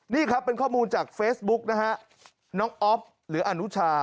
นี่ครับเป็นข้อมูลจากเฟซบุ๊กนะฮะน้องอ๊อฟหรืออนุชา